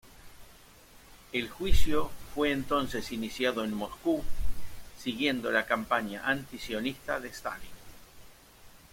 El juicio fue entonces iniciado en Moscú, siguiendo la campaña antisionista de Stalin.